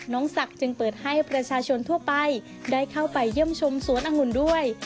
ศักดิ์จึงเปิดให้ประชาชนทั่วไปได้เข้าไปเยี่ยมชมสวนองุ่นด้วย